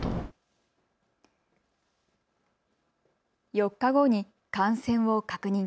４日後に感染を確認。